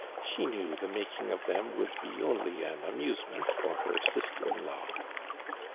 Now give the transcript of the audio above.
She knew the mtiking of them would bo only an amusement for her sister in law.